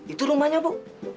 itu rumahnya bu